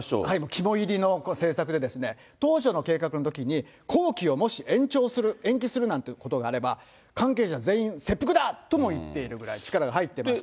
肝煎りの政策でですね、当初の計画のときに、工期をもし延長する、延期するなんていうことがあれば、関係者全員、切腹だとも言っているくらい力が入っていました。